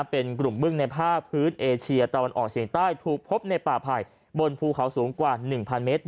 เป็นกลุ่มบึ้งในภาคพื้นเอเชียตะวันออกเฉียงใต้ถูกพบในป่าไผ่บนภูเขาสูงกว่า๑๐๐เมตร